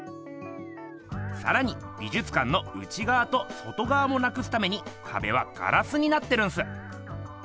さらに美じゅつかんの内がわと外がわもなくすためにかべはガラスになってるんす。